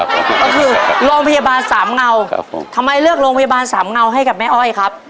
ก็คือโรงพยาบาลสามเงาครับผมทำไมเลือกโรงพยาบาลสามเงาให้กับแม่อ้อยครับ